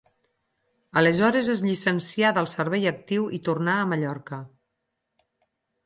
Aleshores es llicencià del servei actiu i tornà a Mallorca.